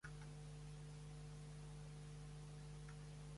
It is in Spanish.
Sergio Villalón bajo un proyecto que fue aprobado durante el rectorado del Lic.